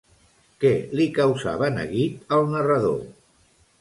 Què li causava neguit al narrador?